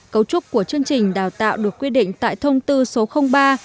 cấu trúc của chương trình đào tạo được quy định tại thông tư số ba hai nghìn một mươi bảy tt bld tb xh